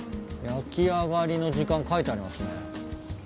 焼き上がりの時間書いてありますね。